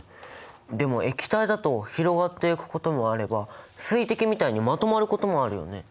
でも液体だと広がっていくこともあれば水滴みたいにまとまることもあるよね？